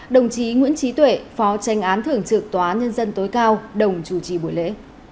đồng chí nguyễn trí tuệ phó tranh án thưởng trực tòa án nhân dân tối cao đồng chủ trì buổi lễ